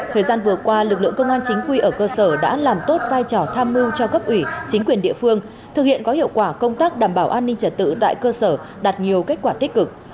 thời gian vừa qua lực lượng công an chính quy ở cơ sở đã làm tốt vai trò tham mưu cho cấp ủy chính quyền địa phương thực hiện có hiệu quả công tác đảm bảo an ninh trật tự tại cơ sở đạt nhiều kết quả tích cực